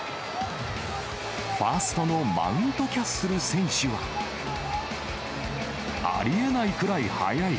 ファーストのマウントキャッスル選手は。ありえないくらい速い！